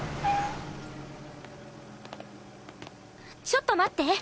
ちょっと待って。